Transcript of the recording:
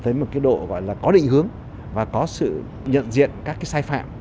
đó là một cái độ có định hướng và có sự nhận diện các sai phạm